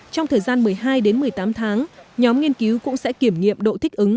trong thời gian một mươi hai đến một mươi tám tháng nhóm nghiên cứu cũng sẽ kiểm nghiệm độ thích ứng